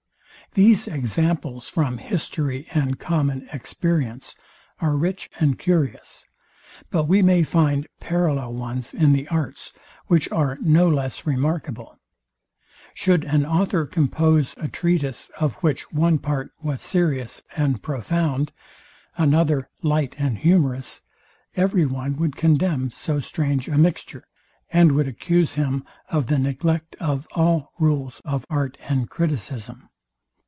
These examples from history and common experience are rich and curious; but we may find parallel ones in the arts, which are no less remarkable. should an author compose a treatise, of which one part was serious and profound, another light and humorous, every one would condemn so strange a mixture, and would accuse him of the neglect of all rules of art and criticism.